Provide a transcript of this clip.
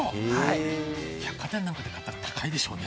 百貨店なんかで買ったら高いでしょうね？